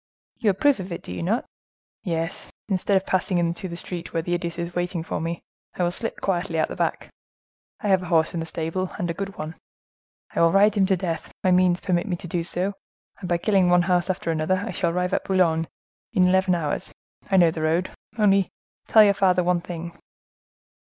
"You approve of it, do you not?" "Yes, instead of passing into the street, where that idiot is waiting for me, I will slip quietly out at the back. I have a horse in the stable, and a good one. I will ride him to death; my means permit me to do so, and by killing one horse after another, I shall arrive at Boulogne in eleven hours; I know the road. Only tell your father one thing."